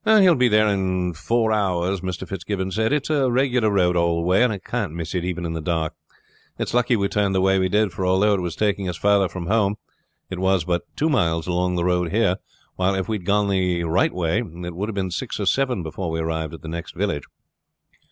"He will be there in four hours," Mr. Fitzgibbon said. "It's a regular road all the way, and he can't miss it even in the dark. It's lucky we turned the way we did, for although it was taking us further from home it was but two miles along the road here, while, if we had gone the right way, it would have been six or seven before we arrived at the next village."